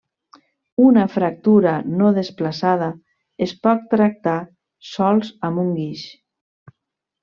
Una fractura no desplaçada es pot tractar sols amb un guix.